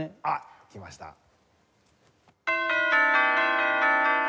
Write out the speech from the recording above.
あっきました。